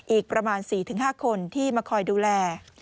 อีกประมาณ๔๕คนที่มาคอยดูแล